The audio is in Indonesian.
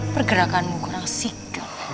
pergerakanmu kurang sikap